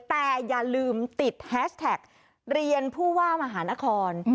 แต่อย่าลืมติดแฮชแท็กเรียนผู้ว่ามหานคร